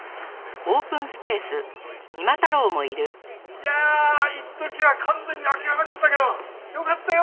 いやあいっときは完全に諦めとったけどよかったよ！